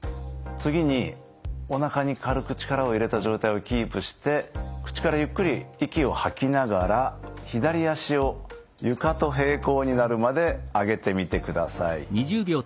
次におなかに軽く力を入れた状態をキープして口からゆっくり息を吐きながら左脚を床と並行になるまで上げてみてください。